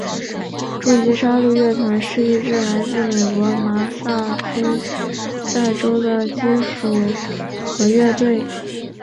终极杀戮乐团是一支来自美国麻萨诸塞州的金属核乐团。